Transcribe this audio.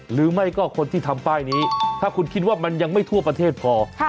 หรือไม่ก็คนที่ทำป้ายนี้ถ้าคุณคิดว่ามันยังไม่ทั่วประเทศพอ